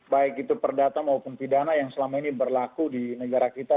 baik itu perdata maupun pidana yang selama ini berlaku di negara kita